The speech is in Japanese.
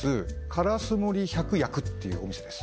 烏森百薬っていうお店です